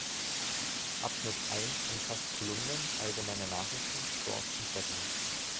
Abschnitt eins umfasst Kolumnen, allgemeine Nachrichten, Sport und Wetter.